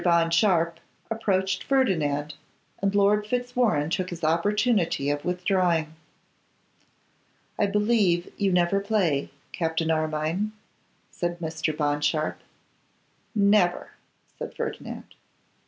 Bond Sharpe approached Ferdinand, and Lord Fitzwarrene took this opportunity of withdrawing. 'I believe you never play, Captain Armine,' said Mr. Bond Sharpe. 'Never,' said Ferdinand.